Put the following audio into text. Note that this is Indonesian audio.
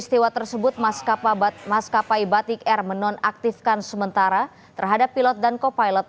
peristiwa tersebut maskapai batik air menonaktifkan sementara terhadap pilot dan co pilot